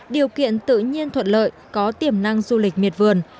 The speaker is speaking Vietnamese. điều kiện tự nhiên thuận lợi có tiềm năng du lịch miệt vườn